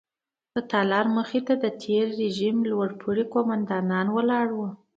د تالار مخې ته د تېر رژیم لوړ پوړي قوماندان ولاړ وو.